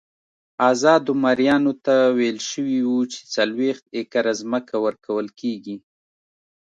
ازادو مریانو ته ویل شوي وو چې څلوېښت ایکره ځمکه ورکول کېږي.